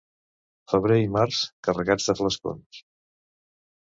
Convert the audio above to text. Febrer i març, carregats de flascons.